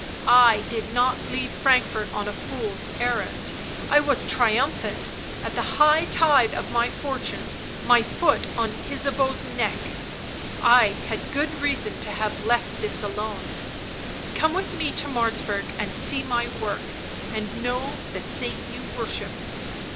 " I did not leave Frankfort on a fool's errand — I was triumphant, at the high tide of my fortunes, my foot on Ysabeau's neck. I had good reason to have left this alone. Come with me to Martzburg and see my work, and know the saint you worship."